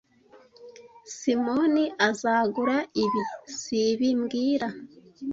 Simoni azagura ibi, sibi mbwira